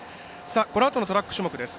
このあとのトラック種目です。